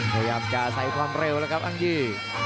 พยายามจะใส่ความเร็วแล้วครับอ้างยี